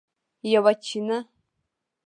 یوه چینه